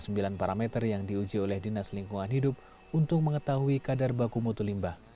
sembilan parameter yang diuji oleh dinas lingkungan hidup untuk mengetahui kadar baku mutu limbah